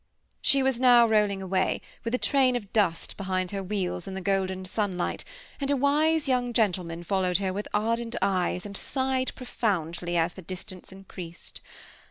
She was now rolling away, with a train of dust behind her wheels in the golden sunlight, and a wise young gentleman followed her with ardent eyes and sighed profoundly as the distance increased.